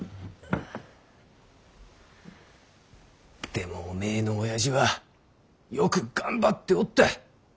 でもおめぇのおやじはよく頑張っておった。